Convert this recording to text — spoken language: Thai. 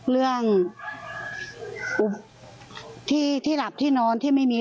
เรื่องที่หลับที่นอนที่ไม่มี